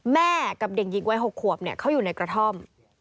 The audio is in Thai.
แม่กับเด็กหญิงวัย๖ขวบเขาอยู่ในกระท่อม